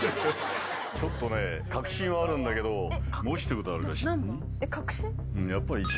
ちょっとね確信はあるんだけどもしってことあるから何番？